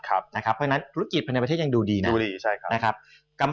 เพราะฉะนั้นธุรกิจภายในประเทศยังดูดีนะ